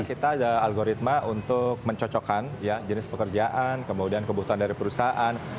kita ada algoritma untuk mencocokkan jenis pekerjaan kemudian kebutuhan dari perusahaan